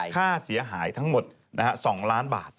ค่าเสียหายทั้งหมด๒ล้านบาท